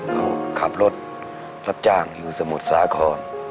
เขาขับรถรับจ้างอยู่สมุทรสาคร